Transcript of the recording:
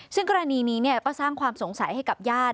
ซึ่งกรณีนี้ก็สร้างความสงสัยให้กับญาติ